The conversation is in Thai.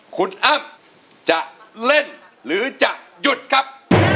คุณอ้ำจะเล่นหรือจะหยุดครับ